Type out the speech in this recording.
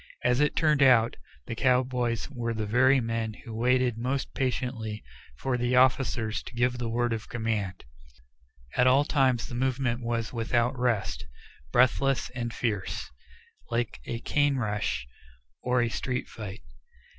As it turned out, the cowboys were the very men who waited most patiently for the officers to give the word of command. At all times the movement was without rest, breathless and fierce, like a cane rush, or a street fight.